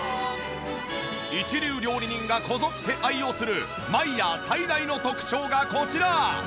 一流料理人がこぞって愛用するマイヤー最大の特徴がこちら。